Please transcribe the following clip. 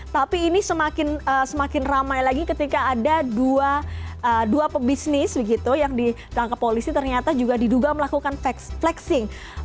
tapi ini semakin ramai lagi ketika ada dua pebisnis begitu yang ditangkap polisi ternyata juga diduga melakukan flexing